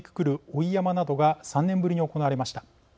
追い山笠などが３年ぶりに行われました。